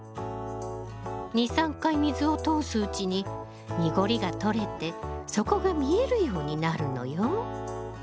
２３回水を通すうちに濁りが取れて底が見えるようになるのよ。